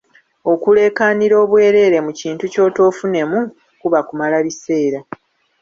Okuleekaanira obwereere mu kintu ky’otoofunemu kuba kumala biseera.